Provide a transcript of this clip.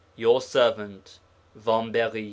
Your servant, VAMBERY.'